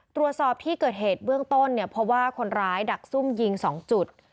ตรวจสอบที่เกิดเหตุเบื้องต้นเนี่ยเพราะว่าคนร้ายดักซุ่มยิง๒จุด